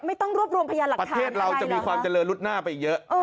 ไม่ต้องรวบรวมพยานหลักฐานประเทศเราจะมีความเจริญรุดหน้าไปเยอะ